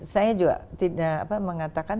saya juga tidak mengatakan